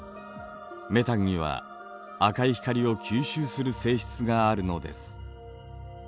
メタンには赤い光を吸収する性質があるのです。